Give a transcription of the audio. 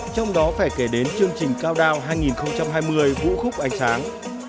trong đó phải kể đến chương trình cao đao hai nghìn hai mươi vũ khúc ánh sáng